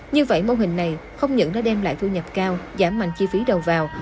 như vậy mô hình này không những đã đem lại thu nhập cao giảm mạnh chi phí đầu vào